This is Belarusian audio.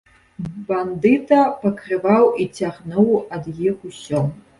Бандыта пакрываў і цягнуў ад іх усё.